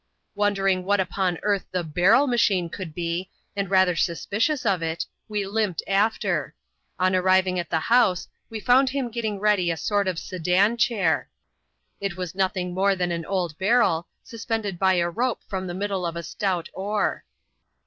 Wondering what upon earth the " barrel machine'* could be, and rather suspicious of it, we limped after. On arriving at the house, we found him getting ready a sort of sedan chair. It was nothing more than an old barrel, suspended by a rope from the middle of a stout oar.